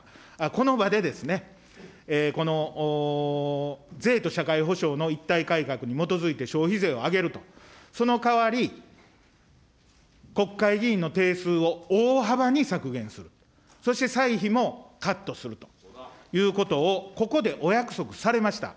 この場で、この税と社会保障の一体改革に基づいて消費税を上げると、そのかわり、国会議員の定数を大幅に削減する、そして歳費もカットするということをここでお約束されました。